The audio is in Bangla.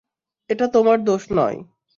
এটা তোমার দোষ নয়।